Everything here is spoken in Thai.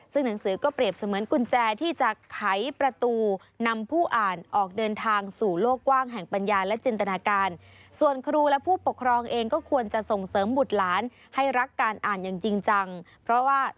ซึ่งหนังสือก็เปรียบเสมือนกุญแจ